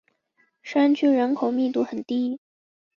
山区人口密度很低。